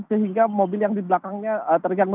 sehingga mobil yang di belakangnya terganggu